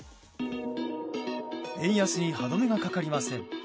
円安に歯止めがかかりません。